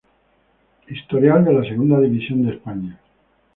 Historial de la Segunda División de España